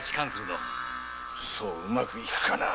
そううまくいくかな？